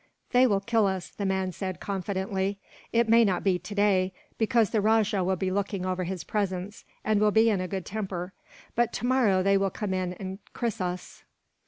"They will kill us," the man said, confidently. "It may not be today, because the rajah will be looking over his presents, and will be in a good temper; but tomorrow they will come in and kris us.